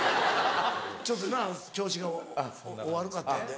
ちょっとなぁ調子が悪かったんで。